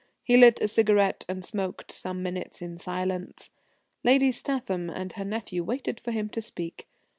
He lit a cigarette and smoked some minutes in silence. Lady Statham and her nephew waited for him to speak.